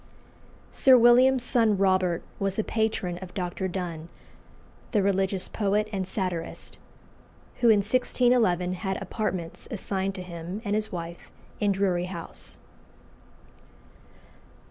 Sir William's son Robert was a patron of Dr. Donne, the religious poet and satirist, who in 1611 had apartments assigned to him and his wife in Drury House.